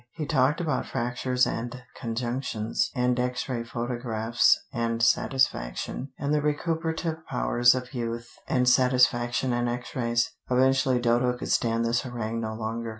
He talked about fractures and conjunctions, and X ray photographs, and satisfaction, and the recuperative powers of youth and satisfaction and X rays. Eventually Dodo could stand this harangue no longer.